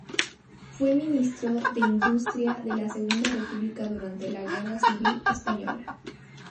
Fue ministro de Industria de la Segunda República durante la Guerra Civil Española.